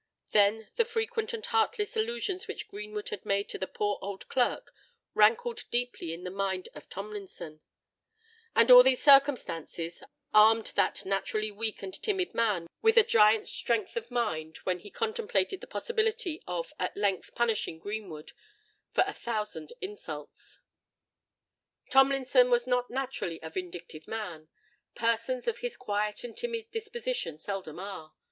Then the frequent and heartless allusions which Greenwood made to the poor old clerk, rankled deeply in the mind of Tomlinson; and all these circumstances armed that naturally weak and timid man with a giant strength of mind when he contemplated the possibility of at length punishing Greenwood for a thousand insults. Tomlinson was not naturally a vindictive man:—persons of his quiet and timid disposition seldom are.